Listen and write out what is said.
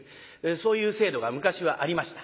そういう制度が昔はありました。